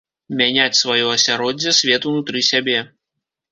Мяняць сваё асяроддзе, свет унутры сябе.